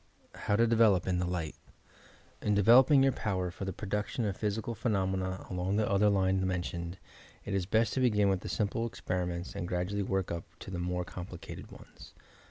HOW TO DEVELOP IN THE LIGHT In developing your power for the production of physi cal phenomena along the other line mentioned, it is best to begin with simple experiments and gradually work up to the more complicated ones.